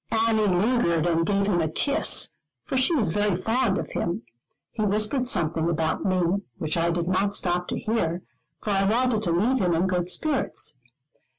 Annie lingered and gave him a kiss, for she was very fond of him. He whispered something about me, which I did not stop to hear, for I wanted to leave him in good spirits.